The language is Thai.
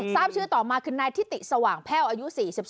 ทราบชื่อต่อมาคือนายทิติสว่างแพ่วอายุ๔๒